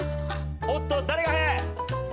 おっと誰が早い？